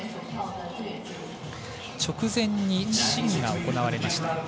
直前に試技が行われました。